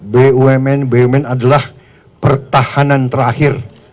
bumn bumn adalah pertahanan terakhir